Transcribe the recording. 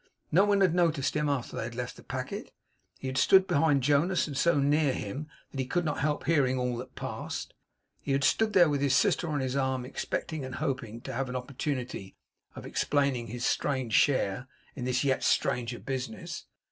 No one had noticed him after they had left the packet. He had stood behind Jonas, and so near him, that he could not help hearing all that passed. He had stood there, with his sister on his arm, expecting and hoping to have an opportunity of explaining his strange share in this yet stranger business.